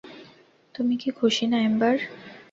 তুমি কি খুশি না, এম্বার?